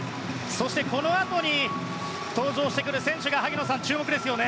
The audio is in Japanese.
そしてこのあとに登場してくる選手が萩野さん、注目ですよね。